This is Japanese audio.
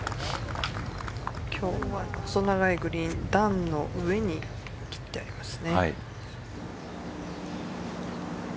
今日は細長いグリーン段の上に切ってあります。